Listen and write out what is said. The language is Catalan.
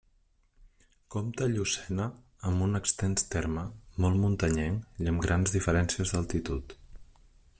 Compta Llucena amb un extens terme, molt muntanyenc i amb grans diferències d'altitud.